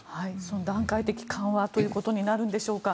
段階的緩和ということになるんでしょうか。